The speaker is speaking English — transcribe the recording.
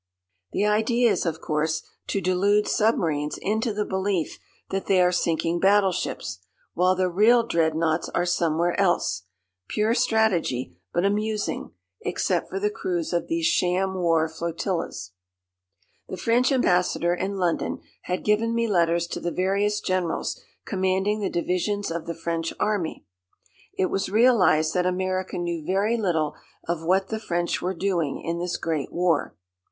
"The idea is, of course, to delude submarines into the belief that they are sinking battleships, while the real dreadnoughts are somewhere else pure strategy, but amusing, except for the crews of these sham war flotillas." The French Ambassador in London had given me letters to the various generals commanding the divisions of the French Army. It was realised that America knew very little of what the French were doing in this great war.